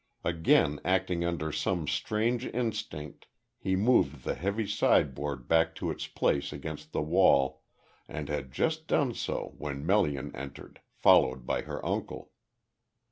Again acting under some strange instinct, he moved the heavy sideboard back to its place against the wall, and had just done so when Melian entered, followed by her uncle.